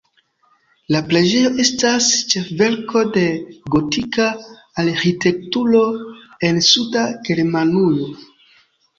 La preĝejo estas ĉefverko de gotika arĥitekturo en suda Germanujo.